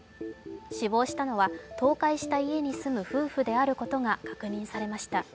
死亡したのは倒壊した家に住む夫婦であることが確認されました。